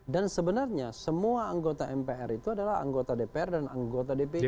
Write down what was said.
sebenarnya semua anggota mpr itu adalah anggota dpr dan anggota dpd